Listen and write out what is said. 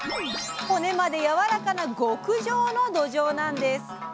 骨までやわらかな極上のどじょうなんです。